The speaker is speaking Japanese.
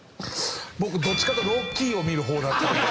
僕どっちかというと『ロッキー』を見る方だったんで。